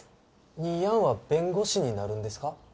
兄やんは弁護士になるんですか？